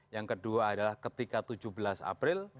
yang kedua adalah ketika tujuh belas april